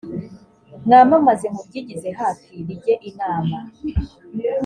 mwamamaze mubyigize hafi bijye inama